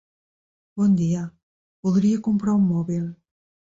Bon dia, voldria comprar un mòbil.